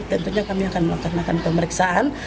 tentunya kami akan melaksanakan pemeriksaan